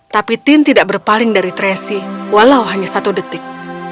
tapi tin tidak berpaling dari tracy walau hanya satu detik